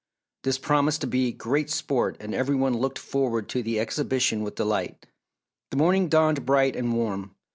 This promised to be great sport and every one looked forward to the exhibition with delight. The morning dawned bright and warm.